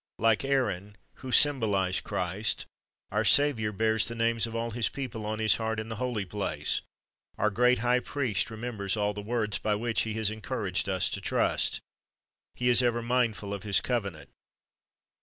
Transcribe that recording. Like Aaron, who symbolized Christ, our Saviour bears the names of all His people on His heart in the holy place. Our great High Priest remembers all the words by which He has encouraged us to trust. He is ever mindful of His covenant.